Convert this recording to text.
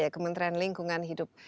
kementerian lingkungan hidup